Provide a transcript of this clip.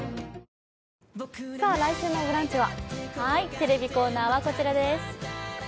テレビコーナーはこちらです。